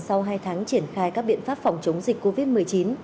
sau hai tháng triển khai các biện pháp phòng chống dịch covid một mươi chín